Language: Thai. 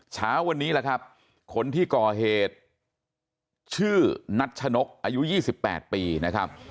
เช้าวันนี้ล่ะครับคนที่ก่อเหตุชื่อนัชนกอายุ๒๘ปีนะครับ